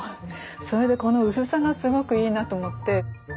それでこの薄さがすごくいいなと思って。